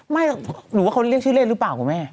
ไม่รู้ว่าเขาเล่นชื่อเล่นหรือเปล่าคุณแม่